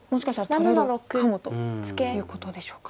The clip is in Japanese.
取れるかもということでしょうか。